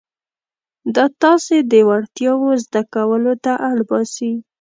دا تاسې د وړتیاوو زده کولو ته اړ باسي.